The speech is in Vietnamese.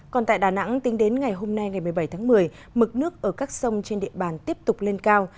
còn tại đà nẵng tính đến ngày hôm nay ngày một mươi bảy tháng một mươi mực nước ở các sông trên địa bàn tiếp tục lên cao